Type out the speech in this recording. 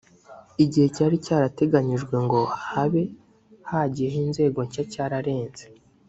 igihe cyari cyarateganyijwe ngo habe hagiyeho inzego nshya cyararenze